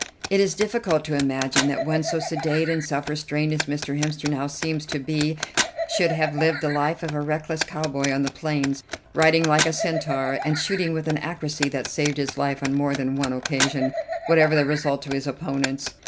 It is difficult to imagine that one so sedate and self restrained as Mr. Hemster now seems to be should have lived the life of a reckless cowboy on the plains, riding like a centaur, and shooting with an accuracy that saved his life on more than one occasion, whatever the result to his opponents.